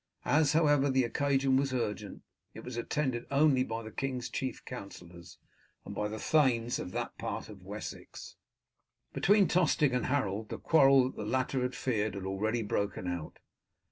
As, however, the occasion was urgent, it was attended only by the king's chief councillors, and by the thanes of that part of Wessex. Between Tostig and Harold the quarrel that the latter had feared had already broken out.